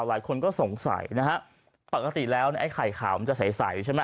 หลายคนก็สงสัยนะฮะปกติแล้วไอ้ไข่ขาวมันจะใสใช่ไหม